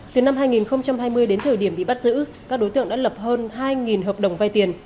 từ năm hai nghìn hai mươi đến thời điểm bị bắt giữ các đối tượng đã lập hơn hai hợp đồng vai tiền